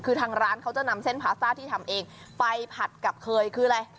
คือทางร้านเขาจะนำเส้นพาซ่าที่ทำเองไปผัดกับเคยคืออะไร